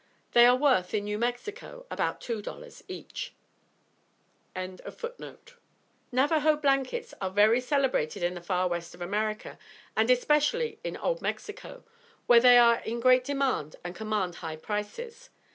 They are worth, in New Mexico, about two dollars each.] Navajoe blankets are very celebrated in the far west of America, and especially in old Mexico, where they are in great demand and command high prices.